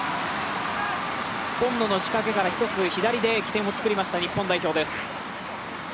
今野の仕掛けから一つ左で起点を作りました日本代表です。